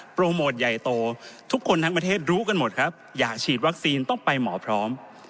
โปรโมทใหญ่โตทุกคนทั้งประเทศรู้กันหมดครับอยากฉีดวัคซีนต้องไปหมอพร้อม